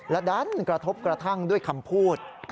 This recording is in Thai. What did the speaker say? และดันกระทบกระทั่งด้วยคำพูด